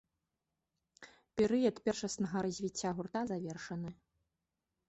Перыяд першаснага развіцця гурта завершаны.